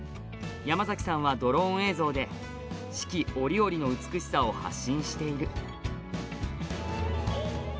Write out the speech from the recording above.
山崎さんは、ドローン映像で四季折々の美しさを発信している。